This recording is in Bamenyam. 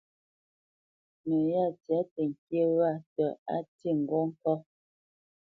No yá tsya təŋkyé wa tə á ti ŋgó ŋká.